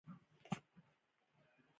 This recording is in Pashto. ډاکټر راوستل شوی وو چې زما د پښو پټۍ وکړي.